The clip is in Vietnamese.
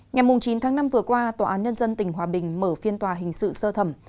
ngày chín tháng năm vừa qua tòa án nhân dân tỉnh hòa bình mở phiên tòa hình sự sơ thẩm